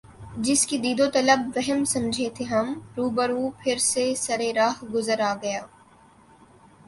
جس کی دید و طلب وہم سمجھے تھے ہم رو بہ رو پھر سر رہ گزار آ گیا